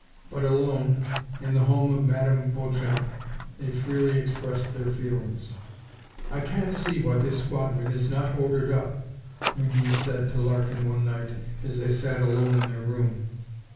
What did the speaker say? But alone, in the home of Madame Beauchamp, they freely expressed their feelings. "I can't see why this squadron is not ordered up," McGee said to Larkin one night as they sat alone in their room.